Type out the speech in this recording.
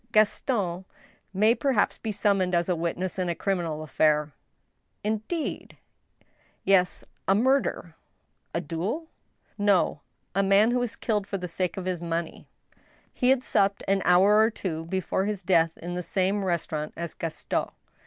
Gaston may perhaps be summoned as a witness in a criminal affair." " Indeed !" "Yes — a murder." "A duel?" IN THE ASHES. I2i " No ; a man who was killed for the sake of his money. He had supped an hour or two before his death in the same restaurant as Gaston